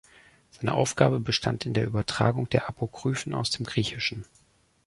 Seine Aufgabe bestand in der Übertragung der Apokryphen aus dem Griechischen.